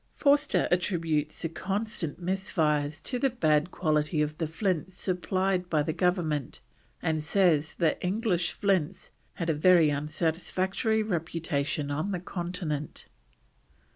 Forster attributes the constant misfires to the bad quality of the flints supplied by the Government, and says that English flints had a very unsatisfactory reputation on the Continent.